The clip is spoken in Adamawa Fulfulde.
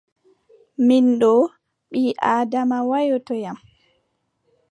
Min ɗo, ɓii-Aadama waƴƴotoyam.